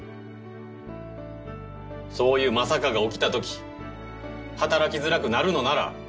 そういう「まさか」が起きた時働きづらくなるのなら。